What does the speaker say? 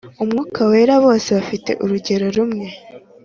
Umwuka wera bose bafite urugero rumwe